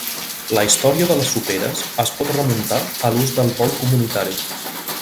La història de les soperes es pot remuntar a l'ús del bol comunitari.